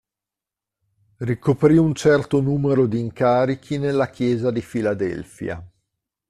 Ricoprì un certo numero di incarichi nella chiesa di Filadelfia.